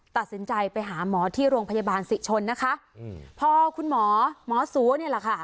ตัดสินใจไปหาหมอที่โรงพยาบาลศิชนนะคะอืมพอคุณหมอหมอสัวเนี่ยแหละค่ะ